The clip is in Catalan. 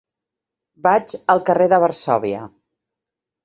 Vaig al carrer de Varsòvia.